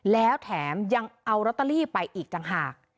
แล้วแถมยังเอาลอตเตอรี่ไปอีกต่างหาก